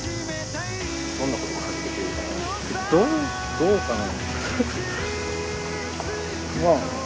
どうかな。